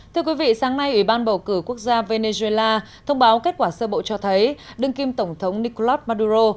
thưa quý vị sáng nay ủy ban bầu cử quốc gia venezuela thông báo kết quả sơ bộ cho thấy đương kim tổng thống nicolas maduro